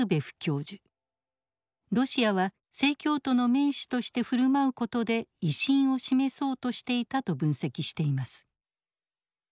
ロシアは正教徒の盟主として振る舞うことで威信を示そうとしていたと分析しています。